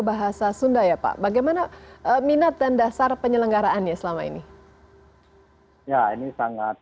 bahasa sunda ya pak bagaimana minat dan dasar penyelenggaraannya selama ini ya ini sangat